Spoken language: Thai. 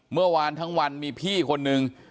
เมื่อวานทั้งวันมีพี่คนนึง